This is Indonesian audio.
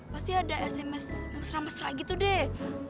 pasti ada sms mesra mesra gitu deh